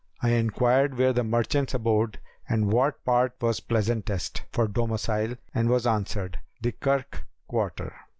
I enquired where the merchants abode and what part was pleasantest for domicile and was answered, 'The Karkh quarter.'